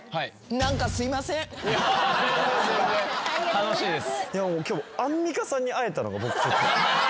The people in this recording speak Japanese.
楽しいです。